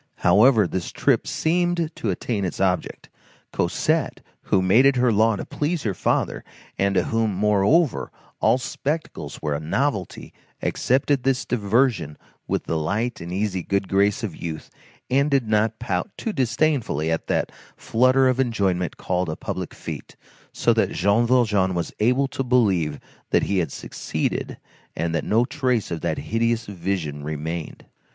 However, this trip seemed to attain its object. Cosette, who made it her law to please her father, and to whom, moreover, all spectacles were a novelty, accepted this diversion with the light and easy good grace of youth, and did not pout too disdainfully at that flutter of enjoyment called a public fête; so that Jean Valjean was able to believe that he had succeeded, and that no trace of that hideous vision remained.